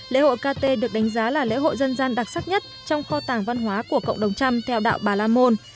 lễ hội kt được đánh giá là lễ hội dân gian đặc sắc nhất trong kho tàng văn hóa của cộng đồng trăm theo đạo bà la môn